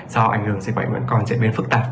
do ảnh hưởng dịch bệnh vẫn còn diễn biến phức tạp